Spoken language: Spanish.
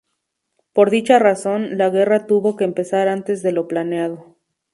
Por dicha razón, la guerra tuvo que empezar antes de lo planeado.